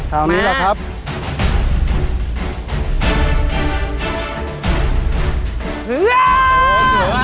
เอานี้ล่ะครับมา